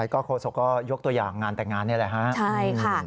ก็โฆษกก็ยกตัวอย่างงานแต่งงานนี่แหละฮะใช่ค่ะ